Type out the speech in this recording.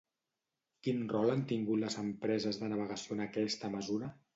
Quin rol han tingut les empreses de navegació en aquesta mesura?